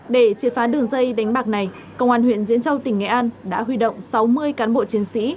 để triệt phá đường dây đánh bạc này công an huyện diễn châu tỉnh nghệ an đã huy động sáu mươi cán bộ chiến sĩ